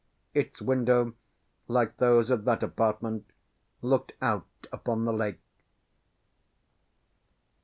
Its window, like those of that apartment, looked out upon the lake.